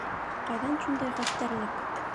Ҡайҙан шундай хәстәрлек!